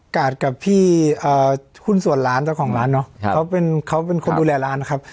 กาดกับพี่เอ่อหุ้นส่วนร้านเจ้าของร้านเนอะครับเขาเป็นเขาเป็นคนดูแลร้านครับ